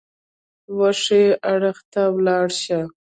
وښي اړخ ته ولاړ شه !